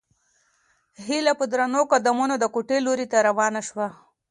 هیله په درنو قدمونو د کوټې لوري ته روانه شوه.